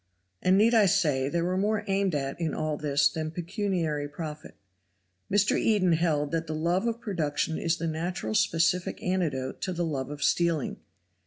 And need I say there were more aimed at in all this than pecuniary profit. Mr. Eden held that the love of production is the natural specific antidote to the love of stealing.